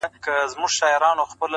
وخت د هیڅ چا لپاره نه درېږي!